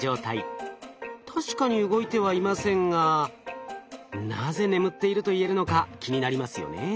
確かに動いてはいませんがなぜ眠っていると言えるのか気になりますよね？